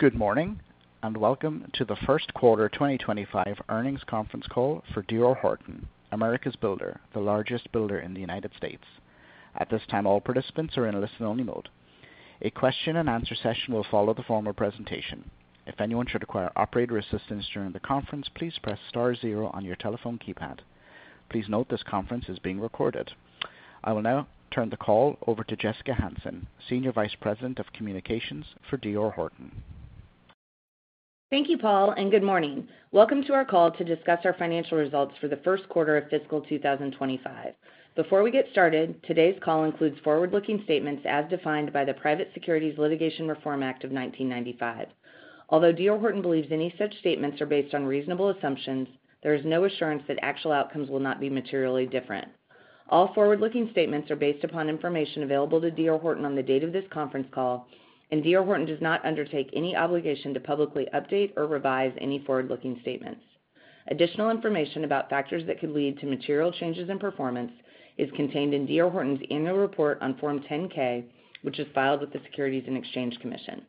Good morning and welcome to the first quarter 2025 earnings conference call for D.R. Horton, America's Builder, the largest builder in the United States. At this time, all participants are in listen-only mode. A question-and-answer session will follow the formal presentation. If anyone should require operator assistance during the conference, please press star zero on your telephone keypad. Please note this conference is being recorded. I will now turn the call over to Jessica Hansen, Senior Vice President of Communications for D.R. Horton. Thank you, Paul, and good morning. Welcome to our call to discuss our financial results for the first quarter of fiscal 2025. Before we get started, today's call includes forward-looking statements as defined by the Private Securities Litigation Reform Act of 1995. Although D.R. Horton believes any such statements are based on reasonable assumptions, there is no assurance that actual outcomes will not be materially different. All forward-looking statements are based upon information available to D.R. Horton on the date of this conference call, and D.R. Horton does not undertake any obligation to publicly update or revise any forward-looking statements. Additional information about factors that could lead to material changes in performance is contained in D.R. Horton's annual report on Form 10-K, which is filed with the Securities and Exchange Commission.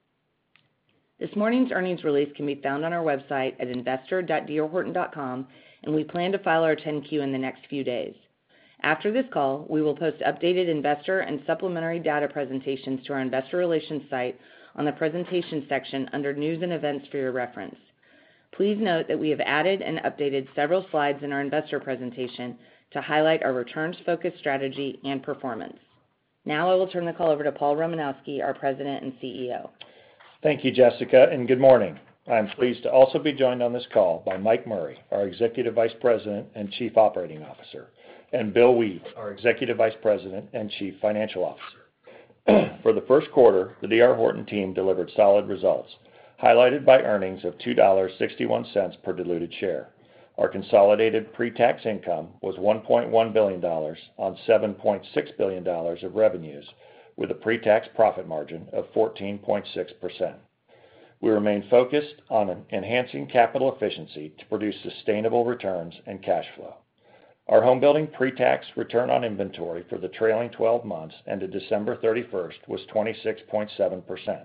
This morning's earnings release can be found on our website at investor.drhorton.com, and we plan to file our 10-Q in the next few days. After this call, we will post updated investor and supplementary data presentations to our investor relations site on the presentation section under News and Events for your reference. Please note that we have added and updated several slides in our investor presentation to highlight our returns-focused strategy and performance. Now I will turn the call over to Paul Romanowski, our President and CEO. Thank you, Jessica, and good morning. I'm pleased to also be joined on this call by Mike Murray, our Executive Vice President and Chief Operating Officer, and Bill Wheat, our Executive Vice President and Chief Financial Officer. For the first quarter, the D.R. Horton team delivered solid results, highlighted by earnings of $2.61 per diluted share. Our consolidated pre-tax income was $1.1 billion on $7.6 billion of revenues, with a pre-tax profit margin of 14.6%. We remain focused on enhancing capital efficiency to produce sustainable returns and cash flow. Our homebuilding pre-tax return on inventory for the trailing 12 months ended December 31st was 26.7%.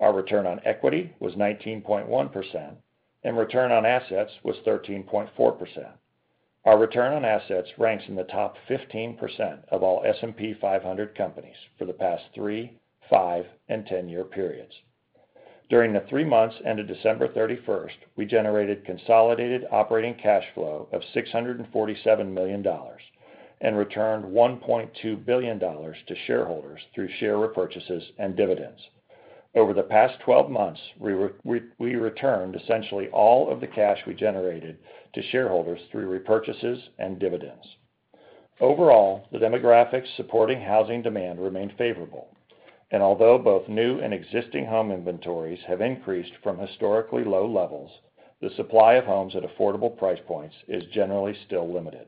Our return on equity was 19.1%, and return on assets was 13.4%. Our return on assets ranks in the top 15% of all S&P 500 companies for the past three, five, and ten-year periods. During the three months ended December 31st, we generated consolidated operating cash flow of $647 million and returned $1.2 billion to shareholders through share repurchases and dividends. Over the past 12 months, we returned essentially all of the cash we generated to shareholders through repurchases and dividends. Overall, the demographics supporting housing demand remain favorable, and although both new and existing home inventories have increased from historically low levels, the supply of homes at affordable price points is generally still limited.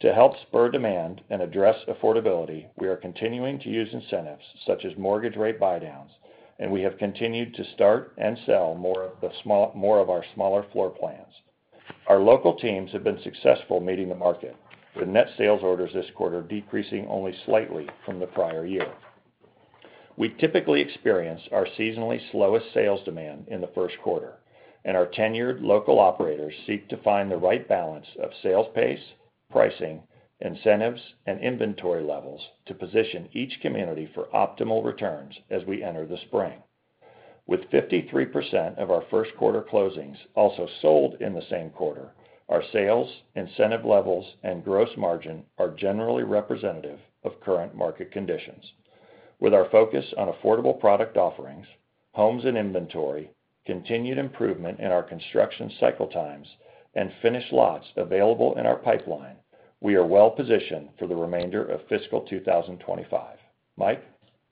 To help spur demand and address affordability, we are continuing to use incentives such as mortgage rate buydowns, and we have continued to start and sell more of our smaller floor plans. Our local teams have been successful meeting the market, with net sales orders this quarter decreasing only slightly from the prior year. We typically experience our seasonally slowest sales demand in the first quarter, and our tenured local operators seek to find the right balance of sales pace, pricing, incentives, and inventory levels to position each community for optimal returns as we enter the spring. With 53% of our first quarter closings also sold in the same quarter, our sales, incentive levels, and gross margin are generally representative of current market conditions. With our focus on affordable product offerings, homes in inventory, continued improvement in our construction cycle times, and finished lots available in our pipeline, we are well positioned for the remainder of fiscal 2025. Mike.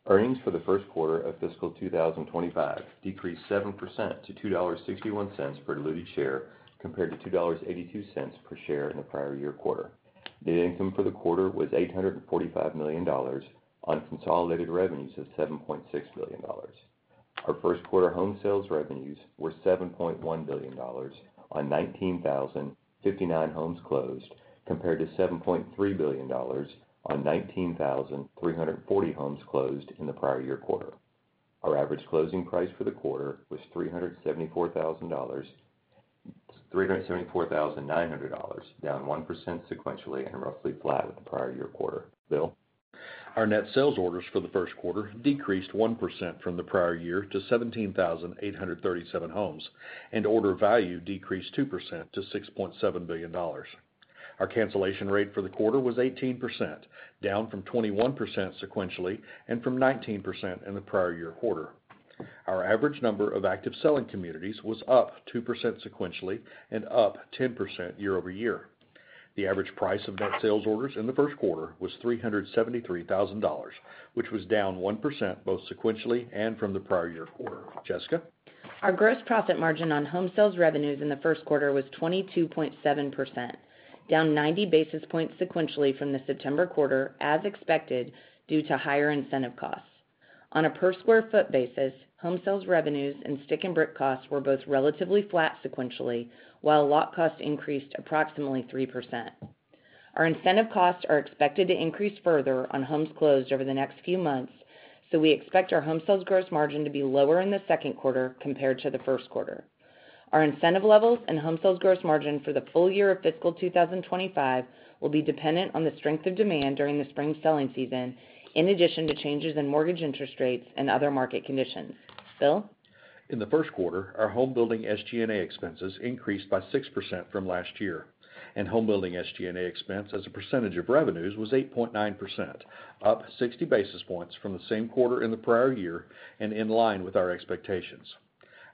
Earnings for the first quarter of fiscal 2025 decreased 7% to $2.61 per diluted share compared to $2.82 per share in the prior year quarter. Net income for the quarter was $845 million on consolidated revenues of $7.6 billion. Our first quarter home sales revenues were $7.1 billion on 19,059 homes closed compared to $7.3 billion on 19,340 homes closed in the prior year quarter. Our average closing price for the quarter was $374,900, down 1% sequentially and roughly flat with the prior year quarter. Bill. Our net sales orders for the first quarter decreased 1% from the prior year to 17,837 homes, and order value decreased 2% to $6.7 billion. Our cancellation rate for the quarter was 18%, down from 21% sequentially and from 19% in the prior year quarter. Our average number of active selling communities was up 2% sequentially and up 10% year over year. The average price of net sales orders in the first quarter was $373,000, which was down 1% both sequentially and from the prior year quarter. Jessica. Our gross profit margin on home sales revenues in the first quarter was 22.7%, down 90 basis points sequentially from the September quarter, as expected due to higher incentive costs. On a per square foot basis, home sales revenues and stick-and-brick costs were both relatively flat sequentially, while lot cost increased approximately 3%. Our incentive costs are expected to increase further on homes closed over the next few months, so we expect our home sales gross margin to be lower in the second quarter compared to the first quarter. Our incentive levels and home sales gross margin for the full year of fiscal 2025 will be dependent on the strength of demand during the spring selling season, in addition to changes in mortgage interest rates and other market conditions. Bill. In the first quarter, our homebuilding SG&A expenses increased by 6% from last year, and homebuilding SG&A expense as a percentage of revenues was 8.9%, up 60 basis points from the same quarter in the prior year and in line with our expectations.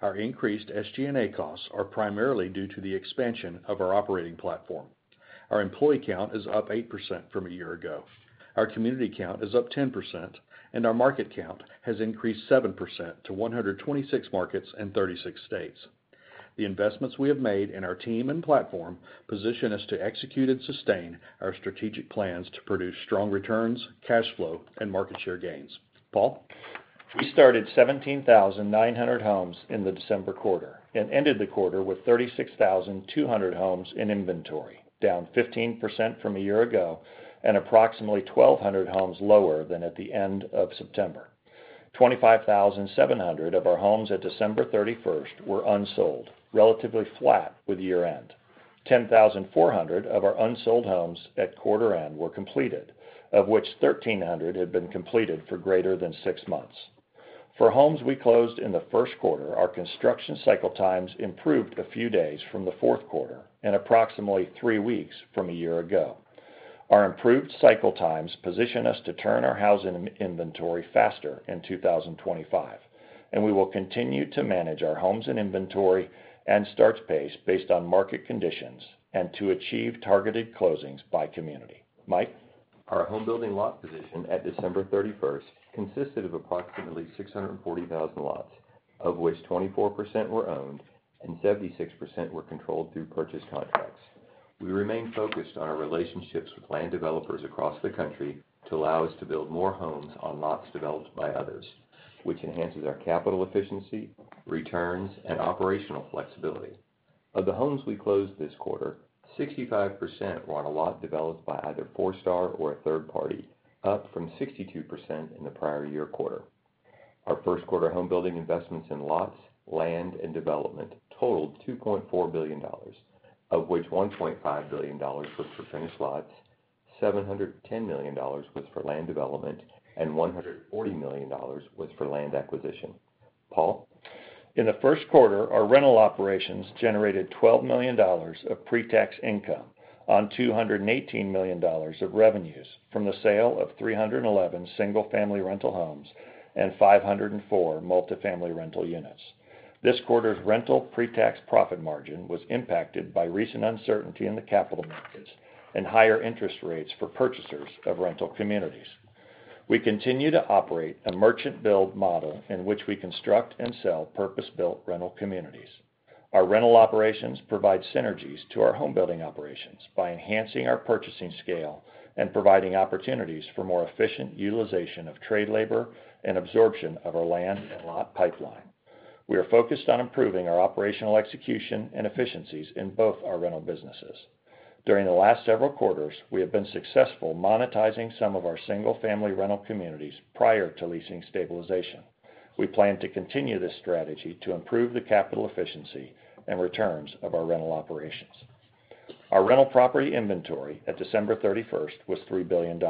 Our increased SG&A costs are primarily due to the expansion of our operating platform. Our employee count is up 8% from a year ago. Our community count is up 10%, and our market count has increased 7% to 126 markets and 36 states. The investments we have made and our team and platform position us to execute and sustain our strategic plans to produce strong returns, cash flow, and market share gains. Paul. We started 17,900 homes in the December quarter and ended the quarter with 36,200 homes in inventory, down 15% from a year ago and approximately 1,200 homes lower than at the end of September. 25,700 of our homes at December 31st were unsold, relatively flat with year-end. 10,400 of our unsold homes at quarter-end were completed, of which 1,300 had been completed for greater than six months. For homes we closed in the first quarter, our construction cycle times improved a few days from the fourth quarter and approximately three weeks from a year ago. Our improved cycle times position us to turn our housing inventory faster in 2025, and we will continue to manage our homes in inventory and start pace based on market conditions and to achieve targeted closings by community. Mike. Our homebuilding lot position at December 31st consisted of approximately 640,000 lots, of which 24% were owned and 76% were controlled through purchase contracts. We remain focused on our relationships with land developers across the country to allow us to build more homes on lots developed by others, which enhances our capital efficiency, returns, and operational flexibility. Of the homes we closed this quarter, 65% were on a lot developed by either Forestar or a third party, up from 62% in the prior year quarter. Our first quarter homebuilding investments in lots, land, and development totaled $2.4 billion, of which $1.5 billion was for finished lots, $710 million was for land development, and $140 million was for land acquisition. Paul. In the first quarter, our rental operations generated $12 million of pre-tax income on $218 million of revenues from the sale of 311 single-family rental homes and 504 multifamily rental units. This quarter's rental pre-tax profit margin was impacted by recent uncertainty in the capital markets and higher interest rates for purchasers of rental communities. We continue to operate a merchant-build model in which we construct and sell purpose-built rental communities. Our rental operations provide synergies to our homebuilding operations by enhancing our purchasing scale and providing opportunities for more efficient utilization of trade labor and absorption of our land and lot pipeline. We are focused on improving our operational execution and efficiencies in both our rental businesses. During the last several quarters, we have been successful monetizing some of our single-family rental communities prior to leasing stabilization. We plan to continue this strategy to improve the capital efficiency and returns of our rental operations. Our rental property inventory at December 31st was $3 billion,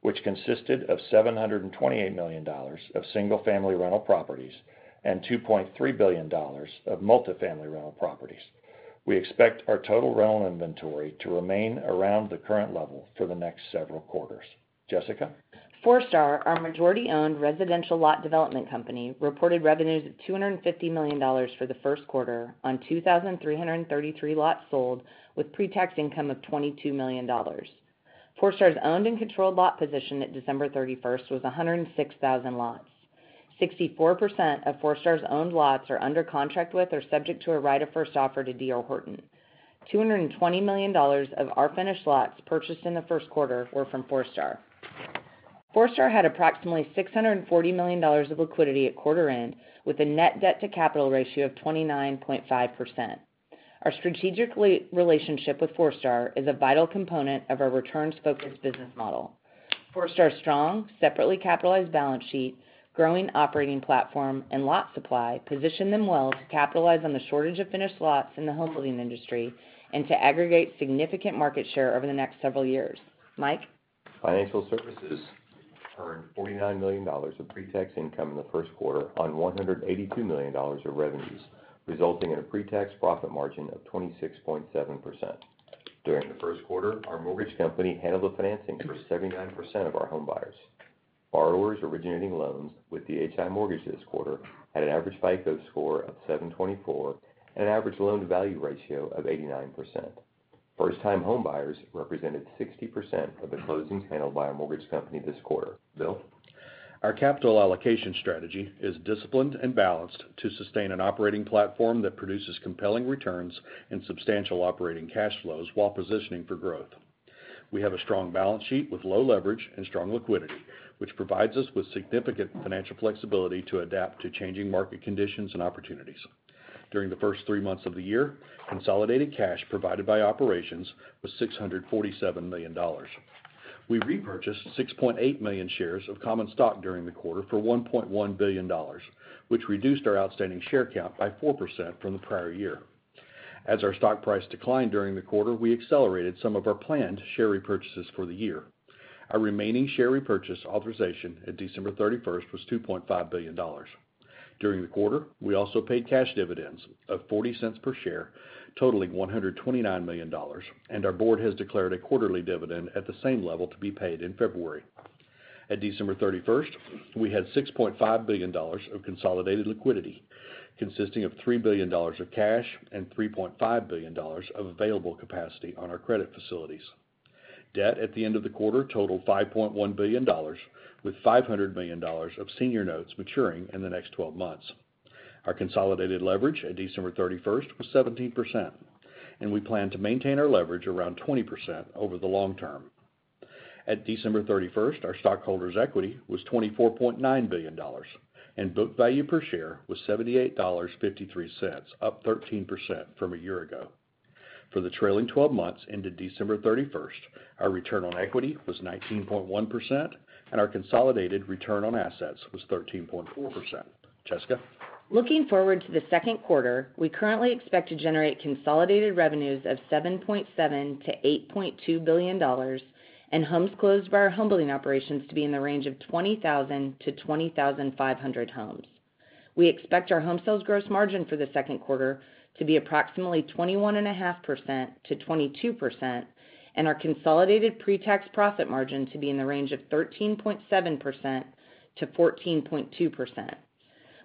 which consisted of $728 million of single-family rental properties and $2.3 billion of multifamily rental properties. We expect our total rental inventory to remain around the current level for the next several quarters. Jessica. Forestar, our majority-owned residential lot development company, reported revenues of $250 million for the first quarter on 2,333 lots sold with pre-tax income of $22 million. Forestar's owned and controlled lot position at December 31st was 106,000 lots. 64% of Forestar's owned lots are under contract with or subject to a right of first offer to D.R. Horton. $220 million of our finished lots purchased in the first quarter were from Forestar. Forestar had approximately $640 million of liquidity at quarter-end with a net debt-to-capital ratio of 29.5%. Our strategic relationship with Forestar is a vital component of our returns-focused business model. Forestar's strong, separately capitalized balance sheet, growing operating platform, and lot supply position them well to capitalize on the shortage of finished lots in the homebuilding industry and to aggregate significant market share over the next several years. Mike. Financial services earned $49 million of pre-tax income in the first quarter on $182 million of revenues, resulting in a pre-tax profit margin of 26.7%. During the first quarter, our mortgage company handled the financing for 79% of our home buyers. Borrowers originating loans with DHI Mortgage this quarter had an average FICO score of 724 and an average loan-to-value ratio of 89%. First-time home buyers represented 60% of the closings handled by our mortgage company this quarter. Bill. Our capital allocation strategy is disciplined and balanced to sustain an operating platform that produces compelling returns and substantial operating cash flows while positioning for growth. We have a strong balance sheet with low leverage and strong liquidity, which provides us with significant financial flexibility to adapt to changing market conditions and opportunities. During the first three months of the year, consolidated cash provided by operations was $647 million. We repurchased 6.8 million shares of common stock during the quarter for $1.1 billion, which reduced our outstanding share count by 4% from the prior year. As our stock price declined during the quarter, we accelerated some of our planned share repurchases for the year. Our remaining share repurchase authorization at December 31st was $2.5 billion. During the quarter, we also paid cash dividends of $0.40 per share, totaling $129 million, and our board has declared a quarterly dividend at the same level to be paid in February. At December 31st, we had $6.5 billion of consolidated liquidity, consisting of $3 billion of cash and $3.5 billion of available capacity on our credit facilities. Debt at the end of the quarter totaled $5.1 billion, with $500 million of senior notes maturing in the next 12 months. Our consolidated leverage at December 31st was 17%, and we plan to maintain our leverage around 20% over the long term. At December 31st, our stockholders' equity was $24.9 billion, and book value per share was $78.53, up 13% from a year ago. For the trailing 12 months into December 31st, our return on equity was 19.1%, and our consolidated return on assets was 13.4%. Jessica. Looking forward to the second quarter, we currently expect to generate consolidated revenues of $7.7 billion-$8.2 billion, and homes closed by our homebuilding operations to be in the range of 20,000-20,500 homes. We expect our home sales gross margin for the second quarter to be approximately 21.5%-22%, and our consolidated pre-tax profit margin to be in the range of 13.7%-14.2%.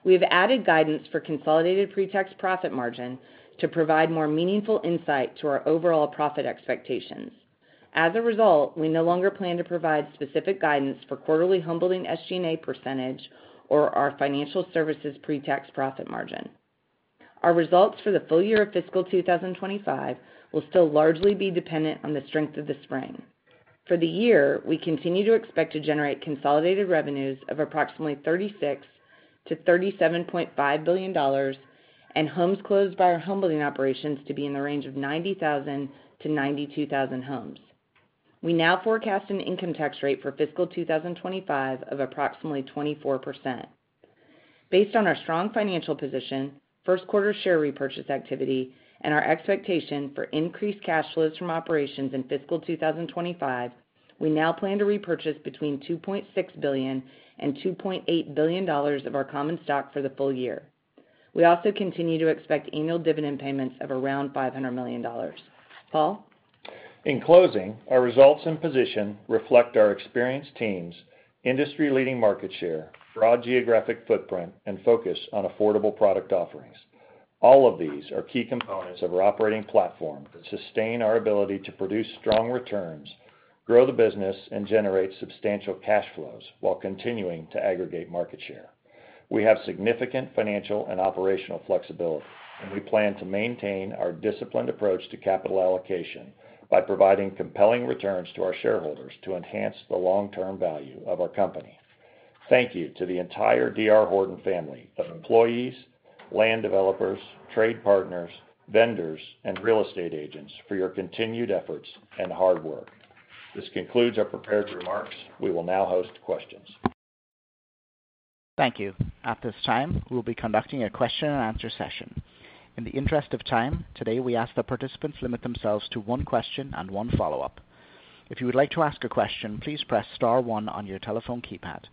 We have added guidance for consolidated pre-tax profit margin to provide more meaningful insight to our overall profit expectations. As a result, we no longer plan to provide specific guidance for quarterly homebuilding SG&A percentage or our financial services pre-tax profit margin. Our results for the full year of fiscal 2025 will still largely be dependent on the strength of the spring. For the year, we continue to expect to generate consolidated revenues of approximately $36 billion-$37.5 billion, and homes closed by our homebuilding operations to be in the range of 90,000 to 92,000 homes. We now forecast an income tax rate for fiscal 2025 of approximately 24%. Based on our strong financial position, first-quarter share repurchase activity, and our expectation for increased cash flows from operations in fiscal 2025, we now plan to repurchase between $2.6 billion and $2.8 billion of our common stock for the full year. We also continue to expect annual dividend payments of around $500 million. Paul. In closing, our results and position reflect our experienced teams, industry-leading market share, broad geographic footprint, and focus on affordable product offerings. All of these are key components of our operating platform that sustain our ability to produce strong returns, grow the business, and generate substantial cash flows while continuing to aggregate market share. We have significant financial and operational flexibility, and we plan to maintain our disciplined approach to capital allocation by providing compelling returns to our shareholders to enhance the long-term value of our company. Thank you to the entire D.R. Horton family of employees, land developers, trade partners, vendors, and real estate agents for your continued efforts and hard work. This concludes our prepared remarks. We will now host questions. Thank you. At this time, we'll be conducting a question-and-answer session. In the interest of time, today we ask that participants limit themselves to one question and one follow-up. If you would like to ask a question, please press Star 1 on your telephone keypad.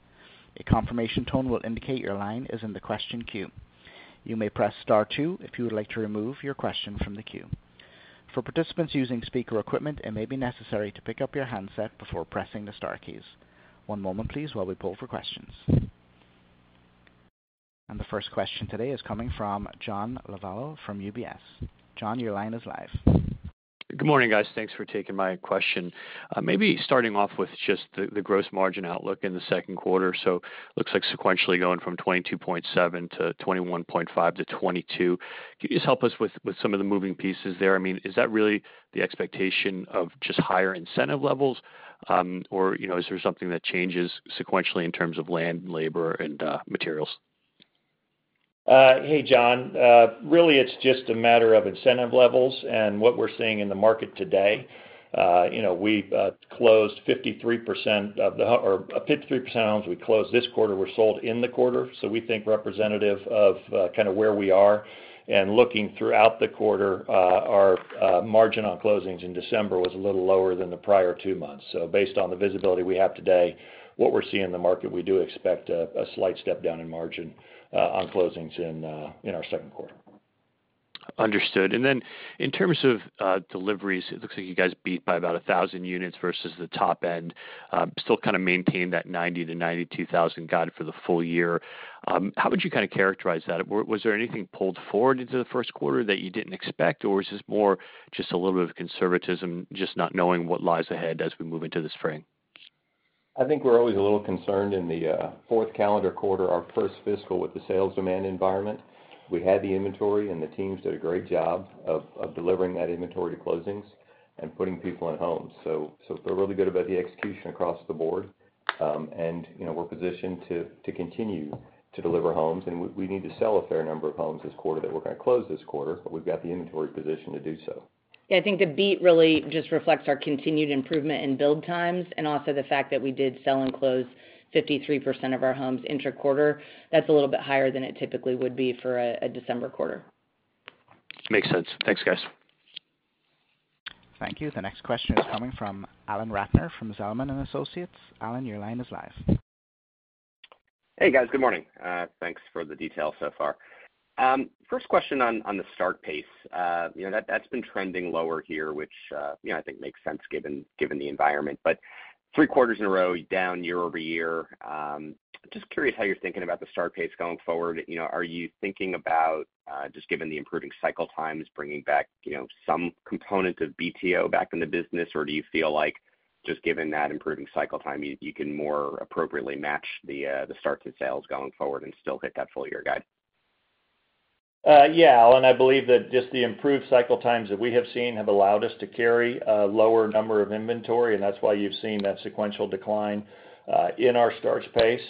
A confirmation tone will indicate your line is in the question queue. You may press Star 2 if you would like to remove your question from the queue. For participants using speaker equipment, it may be necessary to pick up your handset before pressing the Star keys. One moment, please, while we pull for questions. And the first question today is coming from John Lovallo from UBS. John, your line is live. Good morning, guys. Thanks for taking my question. Maybe starting off with just the gross margin outlook in the second quarter. So it looks like sequentially going from 22.7% to 21.5% to 22%. Can you just help us with some of the moving pieces there? I mean, is that really the expectation of just higher incentive levels, or is there something that changes sequentially in terms of land, labor, and materials? Hey, John. Really, it's just a matter of incentive levels and what we're seeing in the market today. We closed 53% of the homes we closed this quarter were sold in the quarter. So we think representative of kind of where we are and looking throughout the quarter, our margin on closings in December was a little lower than the prior two months. So based on the visibility we have today, what we're seeing in the market, we do expect a slight step down in margin on closings in our second quarter. Understood. And then in terms of deliveries, it looks like you guys beat by about 1,000 units versus the top end, still kind of maintain that 90,000 to 92,000 guide for the full year. How would you kind of characterize that? Was there anything pulled forward into the first quarter that you didn't expect, or is this more just a little bit of conservatism, just not knowing what lies ahead as we move into the spring? I think we're always a little concerned in the fourth calendar quarter, our first fiscal with the sales demand environment. We had the inventory, and the teams did a great job of delivering that inventory to closings and putting people in homes, so we're really good about the execution across the board, and we're positioned to continue to deliver homes, and we need to sell a fair number of homes this quarter that we're going to close this quarter, but we've got the inventory position to do so. Yeah, I think the beat really just reflects our continued improvement in build times and also the fact that we did sell and close 53% of our homes intra-quarter. That's a little bit higher than it typically would be for a December quarter. Makes sense. Thanks, guys. Thank you. The next question is coming from Alan Ratner from Zelman & Associates. Alan, your line is live. Hey, guys. Good morning. Thanks for the details so far. First question on the start pace. That's been trending lower here, which I think makes sense given the environment. But three quarters in a row, down year over year. Just curious how you're thinking about the start pace going forward. Are you thinking about, just given the improving cycle times, bringing back some component of BTO back in the business, or do you feel like just given that improving cycle time, you can more appropriately match the start to sales going forward and still hit that full-year guide? Yeah, Alan. I believe that just the improved cycle times that we have seen have allowed us to carry a lower number of inventory, and that's why you've seen that sequential decline in our starts pace.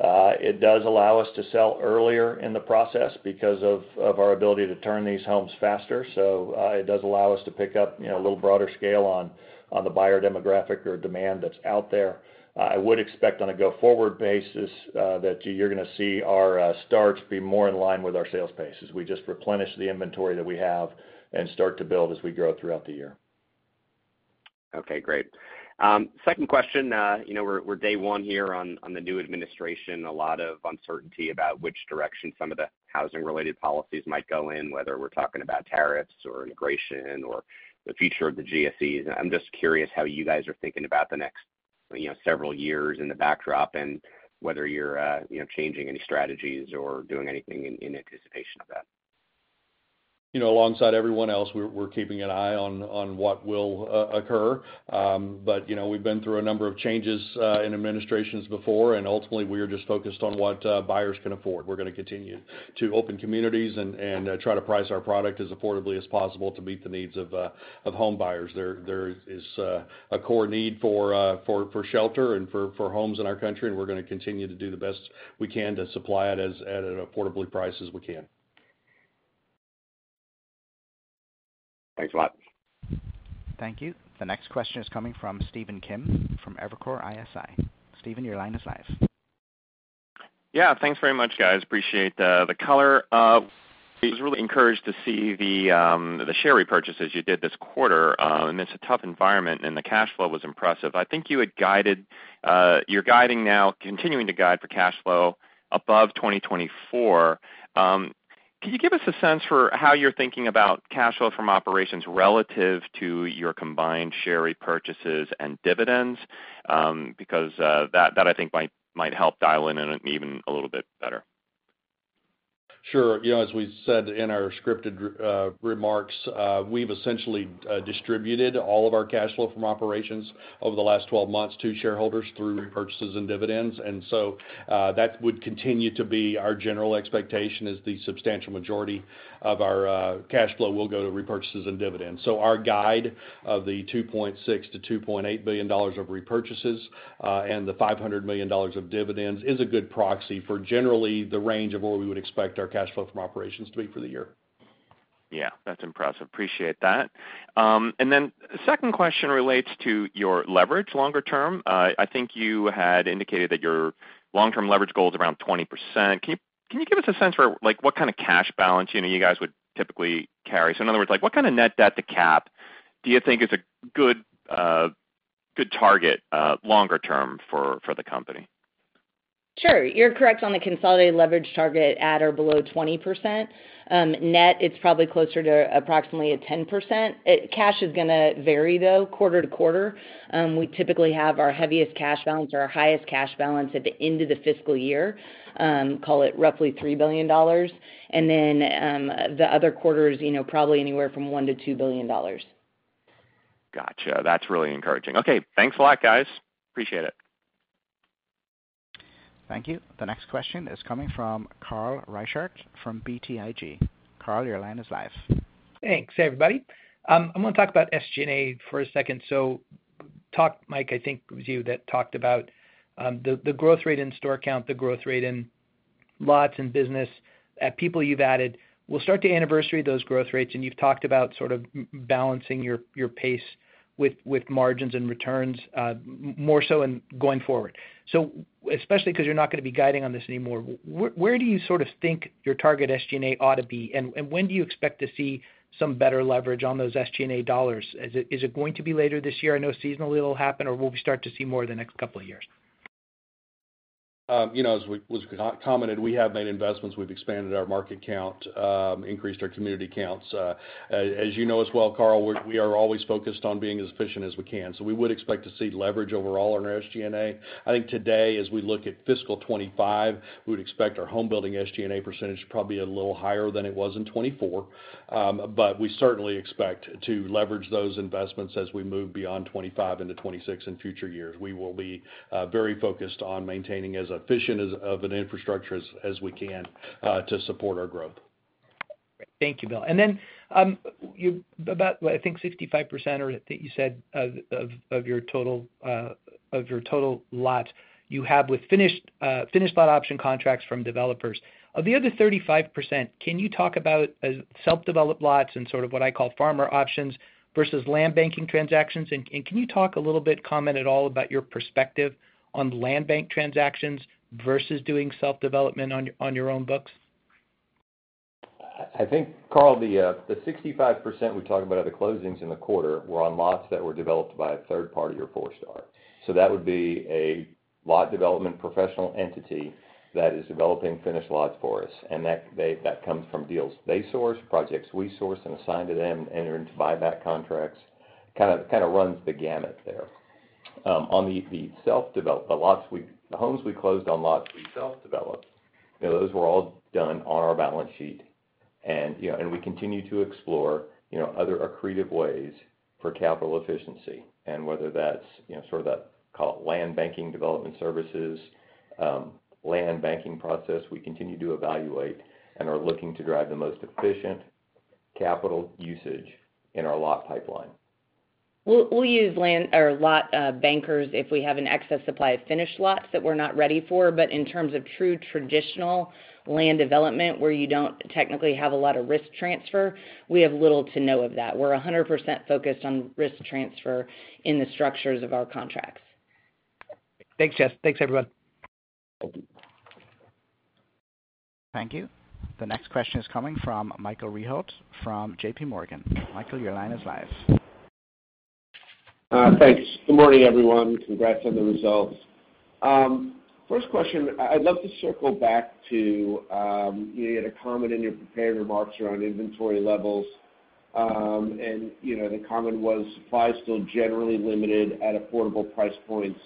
It does allow us to sell earlier in the process because of our ability to turn these homes faster. So it does allow us to pick up a little broader scale on the buyer demographic or demand that's out there. I would expect on a go-forward basis that you're going to see our starts be more in line with our sales pace as we just replenish the inventory that we have and start to build as we grow throughout the year. Okay, great. Second question. We're day one here on the new administration. A lot of uncertainty about which direction some of the housing-related policies might go in, whether we're talking about tariffs or immigration or the future of the GSEs. I'm just curious how you guys are thinking about the next several years in the backdrop and whether you're changing any strategies or doing anything in anticipation of that? Alongside everyone else, we're keeping an eye on what will occur. But we've been through a number of changes in administrations before, and ultimately, we are just focused on what buyers can afford. We're going to continue to open communities and try to price our product as affordably as possible to meet the needs of home buyers. There is a core need for shelter and for homes in our country, and we're going to continue to do the best we can to supply it at an affordable price as we can. Thanks a lot. Thank you. The next question is coming from Stephen Kim from Evercore ISI. Stephen, your line is live. Yeah, thanks very much, guys. Appreciate the color. I was really encouraged to see the share repurchases you did this quarter, and it's a tough environment, and the cash flow was impressive. I think you had guided. You're guiding now, continuing to guide for cash flow above 2024. Can you give us a sense for how you're thinking about cash flow from operations relative to your combined share repurchases and dividends? Because that, I think, might help dial in even a little bit better. Sure. As we said in our scripted remarks, we've essentially distributed all of our cash flow from operations over the last 12 months to shareholders through repurchases and dividends. and so that would continue to be our general expectation is the substantial majority of our cash flow will go to repurchases and dividends. so our guide of the $2.6 billion-$2.8 billion of repurchases and the $500 million of dividends is a good proxy for generally the range of where we would expect our cash flow from operations to be for the year. Yeah, that's impressive. Appreciate that. And then the second question relates to your leverage longer term. I think you had indicated that your long-term leverage goal is around 20%. Can you give us a sense for what kind of cash balance you guys would typically carry? So in other words, what kind of net debt to cap do you think is a good target longer term for the company? Sure. You're correct on the consolidated leverage target at or below 20%. Net, it's probably closer to approximately a 10%. Cash is going to vary, though, quarter to quarter. We typically have our heaviest cash balance or our highest cash balance at the end of the fiscal year, call it roughly $3 billion. And then the other quarter is probably anywhere from $1 billion-$2 billion. Gotcha. That's really encouraging. Okay, thanks a lot, guys. Appreciate it. Thank you. The next question is coming from Carl Reichardt from BTIG. Carl, your line is live. Thanks, everybody. I want to talk about SG&A for a second. So Mike, I think, was it you that talked about the growth rate in store count, the growth rate in lots and business, people you've added. As we start the anniversary of those growth rates, and you've talked about sort of balancing your pace with margins and returns more so going forward. So especially because you're not going to be guiding on this anymore, where do you sort of think your target SG&A ought to be, and when do you expect to see some better leverage on those SG&A dollars? Is it going to be later this year? I know seasonally it'll happen, or will we start to see more the next couple of years? As was commented, we have made investments. We've expanded our market count, increased our community counts. As you know as well, Carl, we are always focused on being as efficient as we can, so we would expect to see leverage overall on our SG&A. I think today, as we look at fiscal 2025, we would expect our homebuilding SG&A percentage to probably be a little higher than it was in 2024, but we certainly expect to leverage those investments as we move beyond 2025 into 2026 in future years. We will be very focused on maintaining as efficient of an infrastructure as we can to support our growth. Thank you, Bill. And then about, I think, 65% or that you said of your total lot, you have with finished lot option contracts from developers. Of the other 35%, can you talk about self-developed lots and sort of what I call farmer options versus land banking transactions? And can you talk a little bit, comment at all about your perspective on land bank transactions versus doing self-development on your own books? I think, Carl, the 65% we talk about at the closings in the quarter were on lots that were developed by a third party or Forestar. So that would be a lot development professional entity that is developing finished lots for us. And that comes from deals they source, projects we source, and assign to them and enter into buyback contracts. Kind of runs the gamut there. On the self-developed lots we closed on lots we self-developed, those were all done on our balance sheet. And we continue to explore other accretive ways for capital efficiency. And whether that's sort of that, call it land banking development services, land banking process, we continue to evaluate and are looking to drive the most efficient capital usage in our lot pipeline. We'll use land or lot bankers if we have an excess supply of finished lots that we're not ready for. But in terms of true traditional land development, where you don't technically have a lot of risk transfer, we have little to no of that. We're 100% focused on risk transfer in the structures of our contracts. Thanks, Jess. Thanks, everyone. Thank you. The next question is coming from Michael Rehaut from JPMorgan. Michael, your line is live. Thanks. Good morning, everyone. Congrats on the results. First question, I'd love to circle back to you had a comment in your prepared remarks around inventory levels. And the comment was supply is still generally limited at affordable price points.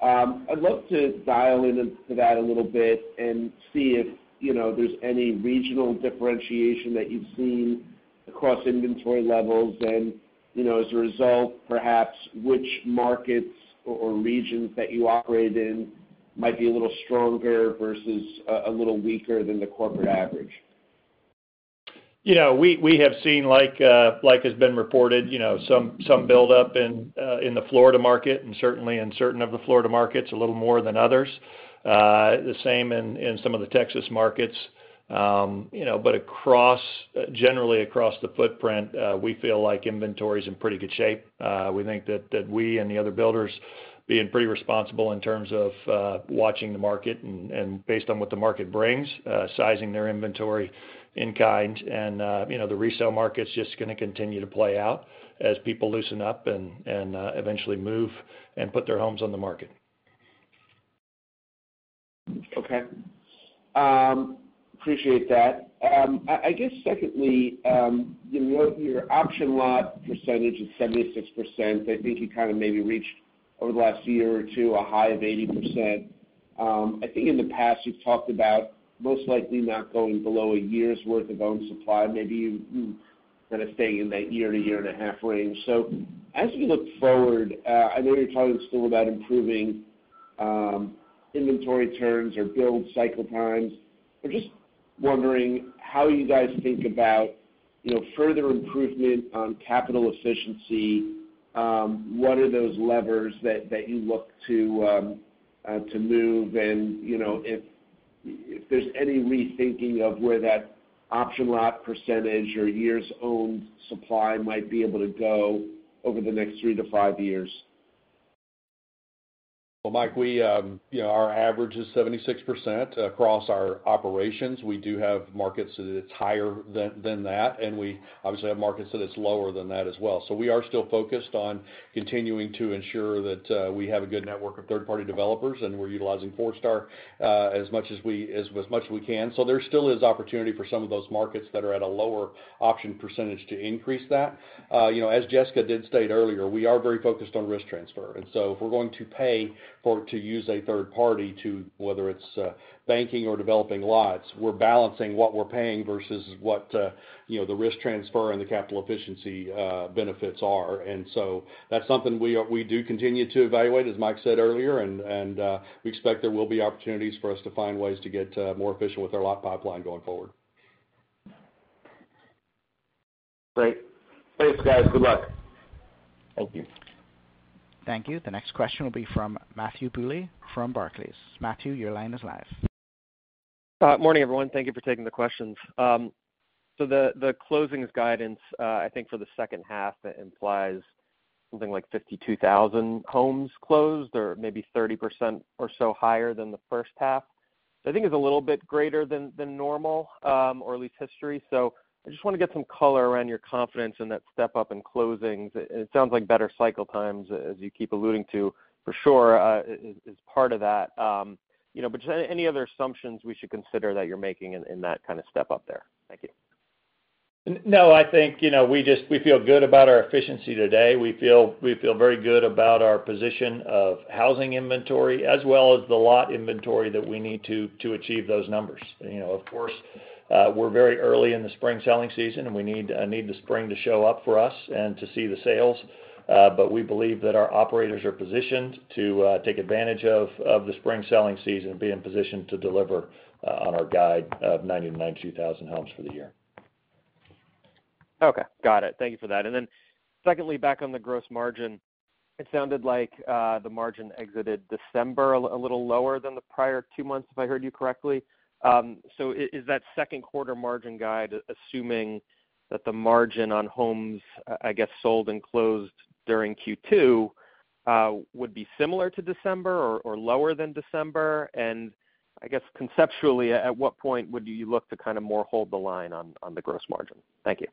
I'd love to dial into that a little bit and see if there's any regional differentiation that you've seen across inventory levels. And as a result, perhaps which markets or regions that you operate in might be a little stronger versus a little weaker than the corporate average. We have seen, like has been reported, some buildup in the Florida market and certainly in certain of the Florida markets a little more than others. The same in some of the Texas markets. But generally across the footprint, we feel like inventory is in pretty good shape. We think that we and the other builders being pretty responsible in terms of watching the market and based on what the market brings, sizing their inventory in kind. And the resale market's just going to continue to play out as people loosen up and eventually move and put their homes on the market. Okay. Appreciate that. I guess, secondly, your option lot percentage is 76%. I think you kind of maybe reached over the last year or two a high of 80%. I think in the past, you've talked about most likely not going below a year's worth of own supply. Maybe you kind of staying in that year to year and a half range. So as we look forward, I know you're talking still about improving inventory turns or build cycle times. I'm just wondering how you guys think about further improvement on capital efficiency. What are those levers that you look to move? And if there's any rethinking of where that option lot percentage or years-owned supply might be able to go over the next three to five years? Well, Mike, our average is 76% across our operations. We do have markets that it's higher than that, and we obviously have markets that it's lower than that as well. So we are still focused on continuing to ensure that we have a good network of third-party developers, and we're utilizing Forestar as much as we can. So there still is opportunity for some of those markets that are at a lower option percentage to increase that. As Jessica did state earlier, we are very focused on risk transfer. And so if we're going to pay to use a third party to, whether it's banking or developing lots, we're balancing what we're paying versus what the risk transfer and the capital efficiency benefits are. That's something we do continue to evaluate, as Mike said earlier, and we expect there will be opportunities for us to find ways to get more efficient with our lot pipeline going forward. Great. Thanks, guys. Good luck. Thank you. Thank you. The next question will be from Matthew Bouley from Barclays. Matthew, your line is live. Morning, everyone. Thank you for taking the questions. So the closings guidance, I think for the second half, implies something like 52,000 homes closed or maybe 30% or so higher than the first half. So I think it's a little bit greater than normal or at least history. So I just want to get some color around your confidence in that step up in closings. It sounds like better cycle times, as you keep alluding to, for sure, is part of that. But just any other assumptions we should consider that you're making in that kind of step up there? Thank you. No, I think we feel good about our efficiency today. We feel very good about our position of housing inventory as well as the lot inventory that we need to achieve those numbers. Of course, we're very early in the spring selling season, and we need the spring to show up for us and to see the sales. But we believe that our operators are positioned to take advantage of the spring selling season and be in position to deliver on our guide of 90-92,000 homes for the year. Okay. Got it. Thank you for that. And then secondly, back on the gross margin, it sounded like the margin exited December a little lower than the prior two months, if I heard you correctly. So is that second quarter margin guide, assuming that the margin on homes, I guess, sold and closed during Q2, would be similar to December or lower than December? And I guess conceptually, at what point would you look to kind of more hold the line on the gross margin? Thank you.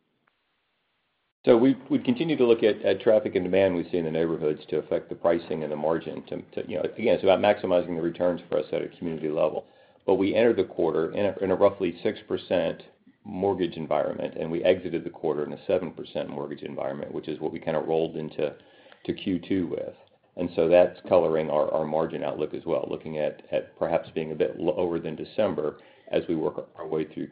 We continue to look at traffic and demand we see in the neighborhoods to affect the pricing and the margin. Again, it's about maximizing the returns for us at a community level. But we entered the quarter in a roughly 6% mortgage environment, and we exited the quarter in a 7% mortgage environment, which is what we kind of rolled into Q2 with. And so that's coloring our margin outlook as well, looking at perhaps being a bit lower than December as we work our way through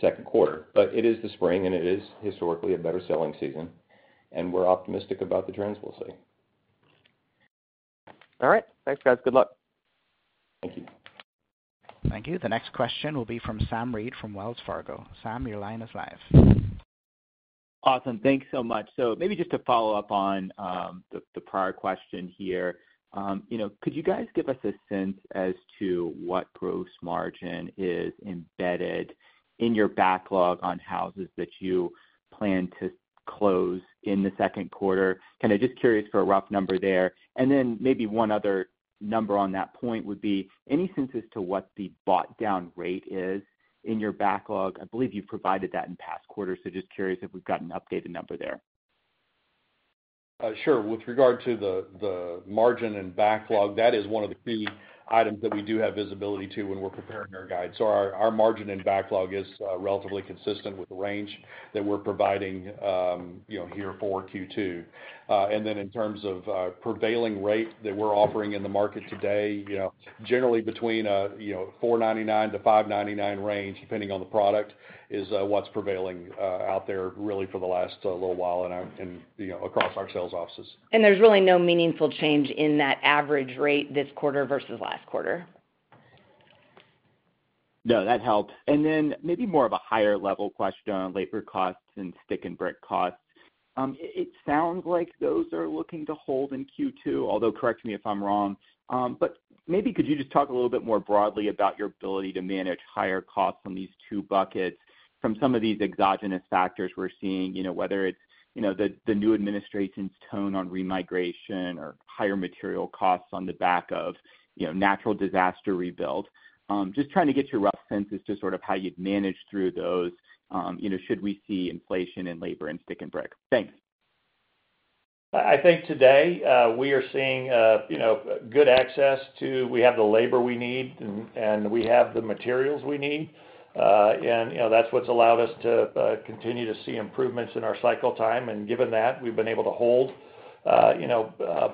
second quarter. But it is the spring, and it is historically a better selling season. And we're optimistic about the trends we'll see. All right. Thanks, guys. Good luck. Thank you. Thank you. The next question will be from Sam Reid from Wells Fargo. Sam, your line is live. Awesome. Thanks so much. So maybe just to follow up on the prior question here, could you guys give us a sense as to what gross margin is embedded in your backlog on houses that you plan to close in the second quarter? Kind of just curious for a rough number there. And then maybe one other number on that point would be any sense as to what the bought-down rate is in your backlog? I believe you've provided that in past quarters, so just curious if we've got an updated number there. Sure. With regard to the margin and backlog, that is one of the key items that we do have visibility to when we're preparing our guide. So our margin and backlog is relatively consistent with the range that we're providing here for Q2. And then in terms of prevailing rate that we're offering in the market today, generally between 4.99% to 5.99% range, depending on the product, is what's prevailing out there really for the last little while and across our sales offices. There's really no meaningful change in that average rate this quarter versus last quarter. No, that helps. And then maybe more of a higher-level question on labor costs and stick-and-brick costs. It sounds like those are looking to hold in Q2, although correct me if I'm wrong. But maybe could you just talk a little bit more broadly about your ability to manage higher costs on these two buckets from some of these exogenous factors we're seeing, whether it's the new administration's tone on immigration or higher material costs on the back of natural disaster rebuild? Just trying to get your rough sense as to sort of how you'd manage through those should we see inflation and labor and stick-and-brick. Thanks. I think today we are seeing good access to. We have the labor we need, and we have the materials we need. That's what's allowed us to continue to see improvements in our cycle time. Given that, we've been able to hold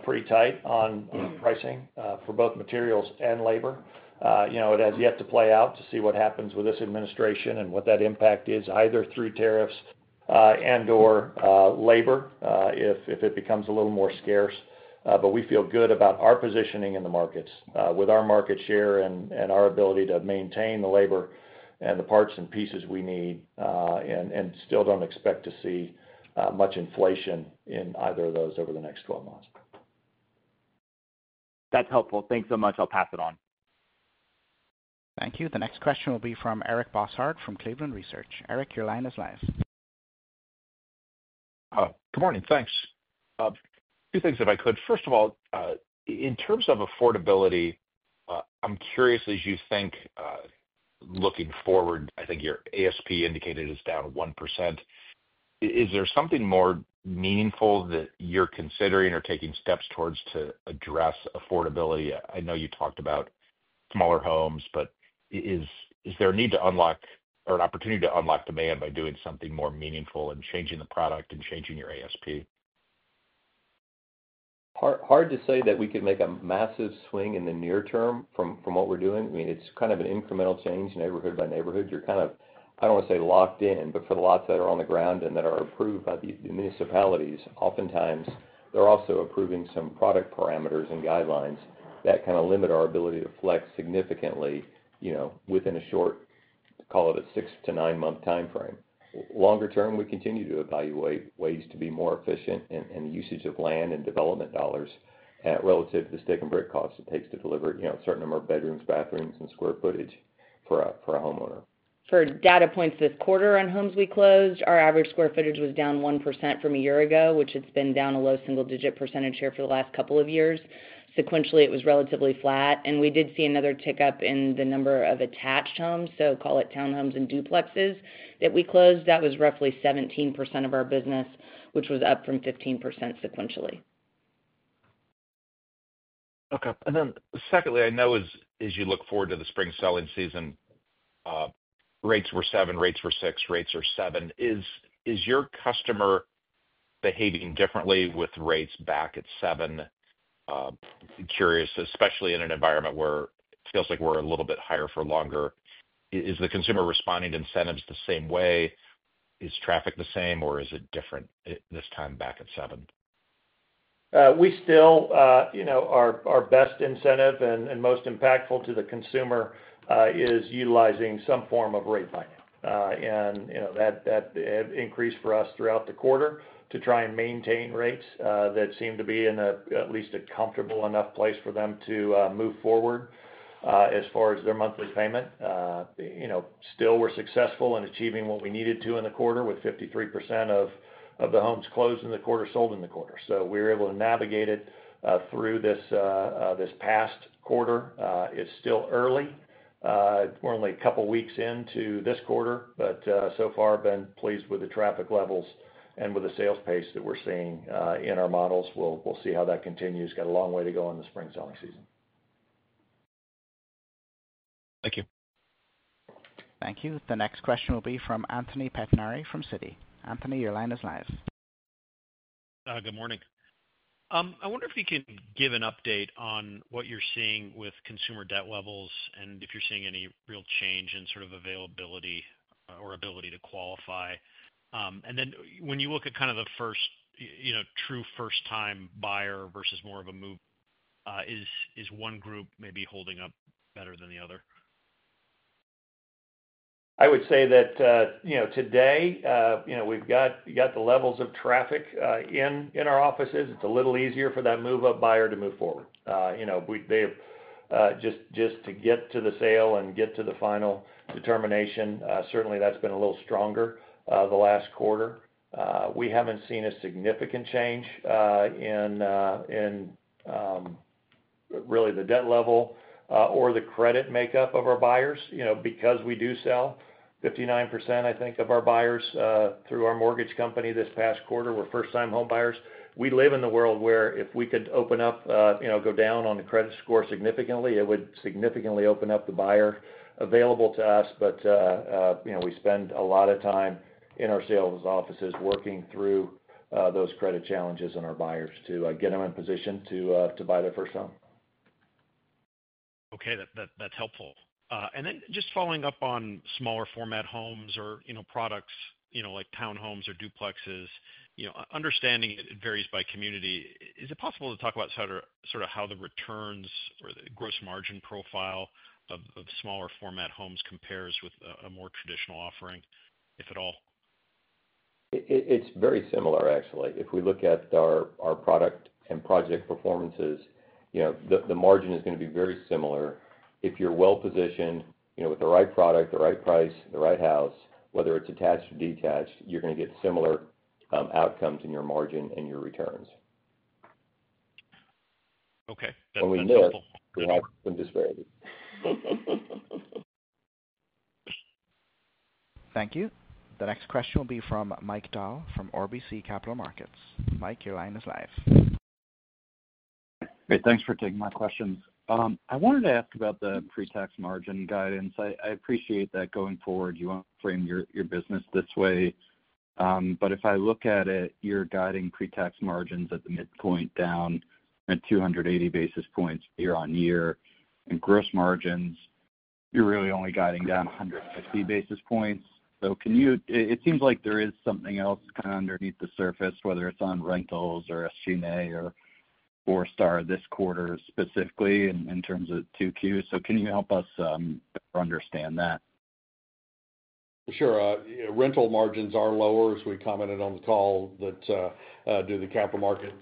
pretty tight on pricing for both materials and labor. It has yet to play out to see what happens with this administration and what that impact is, either through tariffs and/or labor if it becomes a little more scarce. We feel good about our positioning in the markets with our market share and our ability to maintain the labor and the parts and pieces we need and still don't expect to see much inflation in either of those over the next 12 months. That's helpful. Thanks so much. I'll pass it on. Thank you. The next question will be from Eric Bosshard from Cleveland Research. Eric, your line is live. Good morning. Thanks. Two things, if I could. First of all, in terms of affordability, I'm curious as you think looking forward. I think your ASP indicated is down 1%. Is there something more meaningful that you're considering or taking steps towards to address affordability? I know you talked about smaller homes, but is there a need to unlock or an opportunity to unlock demand by doing something more meaningful and changing the product and changing your ASP? Hard to say that we could make a massive swing in the near term from what we're doing. I mean, it's kind of an incremental change neighborhood by neighborhood. You're kind of, I don't want to say locked in, but for the lots that are on the ground and that are approved by the municipalities, oftentimes they're also approving some product parameters and guidelines that kind of limit our ability to flex significantly within a short, call it a six to nine-month timeframe. Longer term, we continue to evaluate ways to be more efficient in the usage of land and development dollars relative to the stick-and-brick cost it takes to deliver a certain number of bedrooms, bathrooms, and square footage for a homeowner. For data points this quarter on homes we closed, our average square footage was down 1% from a year ago, which has been down a low single-digit percentage here for the last couple of years. Sequentially, it was relatively flat. And we did see another tick up in the number of attached homes, so call it townhomes and duplexes that we closed. That was roughly 17% of our business, which was up from 15% sequentially. Okay. And then secondly, I know as you look forward to the spring selling season, rates were 7, rates were 6, rates are 7. Is your customer behaving differently with rates back at 7? Curious, especially in an environment where it feels like we're a little bit higher for longer. Is the consumer responding to incentives the same way? Is traffic the same, or is it different this time back at 7? We still are our best incentive and most impactful to the consumer is utilizing some form of rate buydown, and that increased for us throughout the quarter to try and maintain rates that seem to be in at least a comfortable enough place for them to move forward as far as their monthly payment. Still, we're successful in achieving what we needed to in the quarter with 53% of the homes closed in the quarter, sold in the quarter, so we were able to navigate it through this past quarter. It's still early. We're only a couple of weeks into this quarter, but so far, been pleased with the traffic levels and with the sales pace that we're seeing in our models. We'll see how that continues. Got a long way to go in the spring selling season. Thank you. Thank you. The next question will be from Anthony Pettinari from Citi. Anthony, your line is live. Good morning. I wonder if you can give an update on what you're seeing with consumer debt levels and if you're seeing any real change in sort of availability or ability to qualify, and then when you look at kind of the first true first-time buyer versus more of a move, is one group maybe holding up better than the other? I would say that today we've got the levels of traffic in our offices. It's a little easier for that move-up buyer to move forward. Just to get to the sale and get to the final determination, certainly that's been a little stronger the last quarter. We haven't seen a significant change in really the debt level or the credit makeup of our buyers because we do sell 59%, I think, of our buyers through our mortgage company this past quarter. We're first-time home buyers. We live in the world where if we could open up, go down on the credit score significantly, it would significantly open up the buyer available to us. But we spend a lot of time in our sales offices working through those credit challenges on our buyers to get them in position to buy their first home. Okay. That's helpful. And then just following up on smaller format homes or products like townhomes or duplexes, understanding it varies by community. Is it possible to talk about sort of how the returns or the gross margin profile of smaller format homes compares with a more traditional offering, if at all? It's very similar, actually. If we look at our product and project performances, the margin is going to be very similar. If you're well-positioned with the right product, the right price, the right house, whether it's attached or detached, you're going to get similar outcomes in your margin and your returns. Okay. That's helpful. When we know we have some disparity. Thank you. The next question will be from Mike Dahl from RBC Capital Markets. Mike, your line is live. Hey, thanks for taking my questions. I wanted to ask about the pre-tax margin guidance. I appreciate that going forward. You want to frame your business this way. But if I look at it, you're guiding pre-tax margins at the midpoint down at 280 basis points year on year. And gross margins, you're really only guiding down 150 basis points. So it seems like there is something else kind of underneath the surface, whether it's on rentals or SG&A or Forestar this quarter specifically in terms of Q2. So can you help us better understand that? Sure. Rental margins are lower, as we commented on the call, due to the capital markets